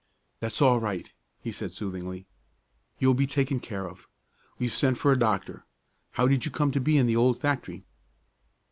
"That's all right," he said soothingly. "You'll be taken care of. We've sent for a doctor. How did you come to be in the old factory?"